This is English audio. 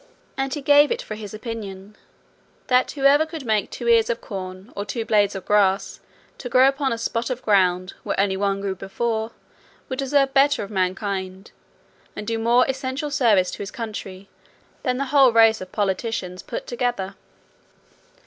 And he gave it for his opinion, "that whoever could make two ears of corn, or two blades of grass, to grow upon a spot of ground where only one grew before, would deserve better of mankind, and do more essential service to his country, than the whole race of politicians put together."